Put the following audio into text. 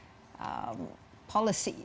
harus ada perubahan pikiran